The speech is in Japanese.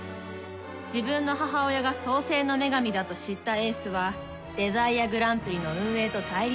自分の母親が創世の女神だと知った英寿はデザイアグランプリの運営と対立